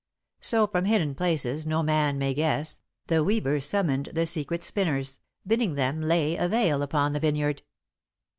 So, from hidden places no man may guess, the Weaver summoned the Secret Spinners, bidding them lay a veil upon the vineyard.